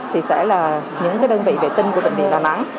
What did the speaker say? thì sẽ là những đơn vị vệ tinh của bệnh viện đà nẵng